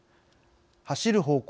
走る方向